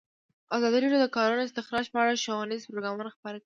ازادي راډیو د د کانونو استخراج په اړه ښوونیز پروګرامونه خپاره کړي.